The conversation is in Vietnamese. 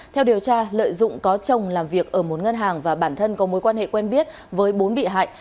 theo điều tra lợi dụng có chồng làm việc ở một ngân hàng và bản thân có mối quan hệ quen biết với bốn bị hại